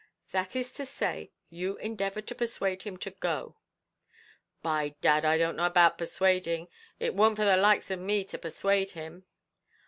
"That is to say, you endeavoured to persuade him to go?" "By dad, I don't know about persuading; it warn't for the likes of me to persuade him."